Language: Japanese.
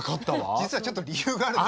実はちょっと理由があるの。